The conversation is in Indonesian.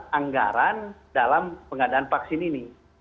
anggaran dalam pengadaan vaksin ini